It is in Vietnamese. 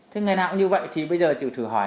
thế ngày nào cũng như vậy thì bây giờ chịu thử hỏi